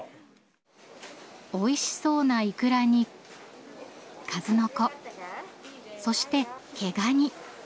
おいしそうなイクラに数の子そして毛ガニ。